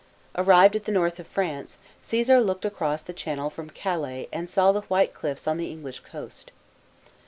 Arrived at the north of France, Caesar looked across the Channel from Calais and saw the white cliffs on the English coast.